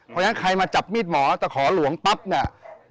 เพราะฉะนั้นใครมาจับมีดหมอตะขอหลวงปั๊บเนี่ย